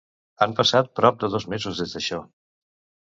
Han passat prop de dos mesos des d'això.